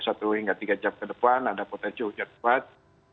satu hingga tiga jam ke depan ada potensi hujan kuat